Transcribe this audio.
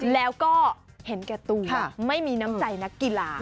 แล้วก็เห็นแก่ตัวไม่มีน้ำใจนักกีฬา